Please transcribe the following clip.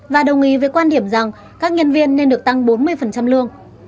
và đồng ý với quan điểm rằng các nhân viên nên được tăng bốn mươi lương